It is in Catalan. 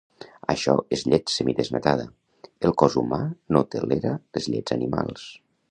Això és llet semidesnatada, el cos humà no tolera les llets animals